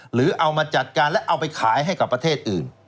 หรือเอามาจัดการและเอาไปขายให้กับประเทศอื่น